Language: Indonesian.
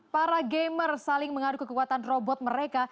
para gamer saling mengadu kekuatan robot mereka